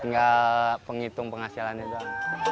tinggal penghitung penghasilannya doang